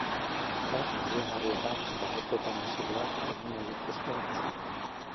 Hortaz, baliagarria da baheketa masiboak egin nahi dituzten kasuetan.